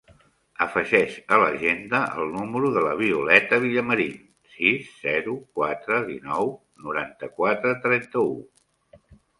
Afegeix a l'agenda el número de la Violeta Villamarin: sis, zero, quatre, dinou, noranta-quatre, trenta-u.